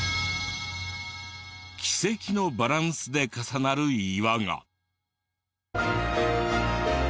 奇跡のバランスで重なる岩が。